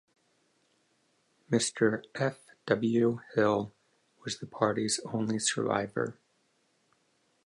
Mr. F. W. Hill was the party's only survivor.